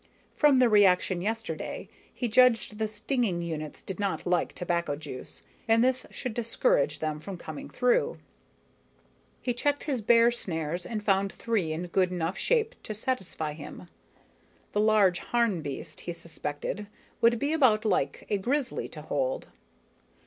From the reaction yesterday, he judged the stinging units did not like tobacco juice, and this should discourage them from coming through. He checked his bear snares and found three in good enough shape to satisfy him the large Harn beast, he suspected, would be about like a grizzly to hold.